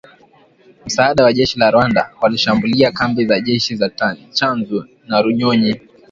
msaada wa jeshi la Rwanda, walishambulia kambi za jeshi za Tchanzu na Runyonyi